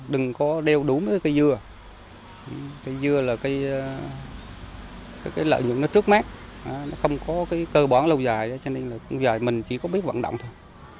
đừng có đeo đủ mấy cây dưa cây dưa là cây lợi nhuận nó trước mát nó không có cơ bản lâu dài cho nên là lâu dài mình chỉ có biết vận động thôi